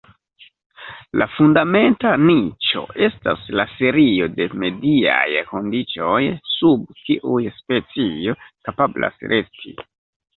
La fundamenta niĉo estas la serio de mediaj kondiĉoj sub kiuj specio kapablas resti.